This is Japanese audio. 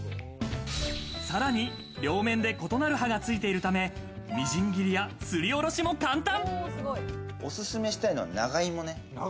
さらに両面で異なる刃が付いているため、みじん切りや、すりおろしも簡単。